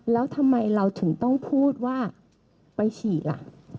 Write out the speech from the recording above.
แล้วทำไมเราถึงต้องพูดว่าไปฉีดล่ะ